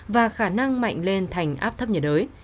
và khả năng mạnh lên thành áp thấp nhiệt đới